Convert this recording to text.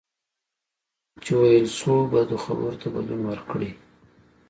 چې ویل شوو بدو خبرو ته بدلون ورکړئ.